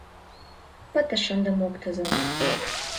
Пытыш ынде моктызын.